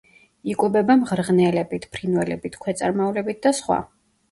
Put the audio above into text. იკვებება მღრღნელებით, ფრინველებით, ქვეწარმავლებით და სხვა.